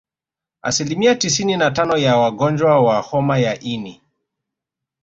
Asilimia tisini na tano ya wagonjwa wa homa ya ini